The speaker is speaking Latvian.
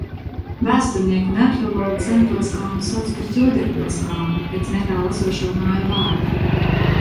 Vēsturnieki un arheologi senpilskalnu sauc par Ķoderu pilskalnu pēc netālu esošo māju vārda.